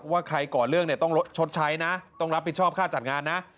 ว่าใครก่อเรื่องเนี่ยต้องชดใช้นะต้องรับผิดชอบค่าจัดงานนะ